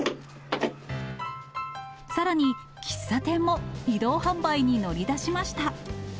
さらに、喫茶店も移動販売に乗り出しました。